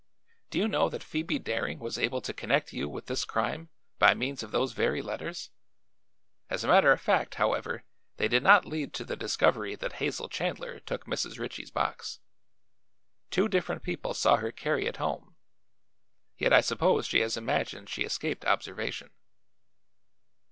Do you know that Phoebe Daring was able to connect you with this crime by means of those very letters? As a matter of fact, however, they did not lead to the discovery that Hazel Chandler took Mrs. Ritchie's box. Two different people saw her carry it home; yet I suppose she has imagined she escaped observation."